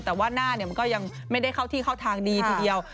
แต่ว่าหน้ามันก็ยังไม่ได้เข้าที่เข้าทางดีทีเดียว